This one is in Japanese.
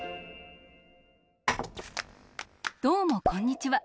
どうもこんにちは。